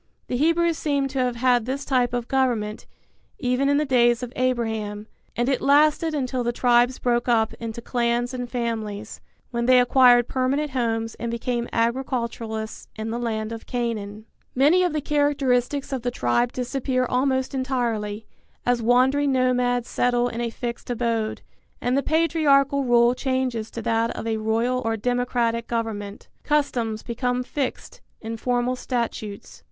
The Hebrews seem to have had this type of government, even in the days of Abraham; and it lasted until the tribes broke up into clans and families, when they acquired permanent homes and became agriculturists in the land of Canaan. Many of the characteristics of the tribe disappear almost entirely, as wandering nomads settle in a fixed abode, and the patriarchal rule changes to that of a royal or democratic government. Customs become fixed in formal statutes.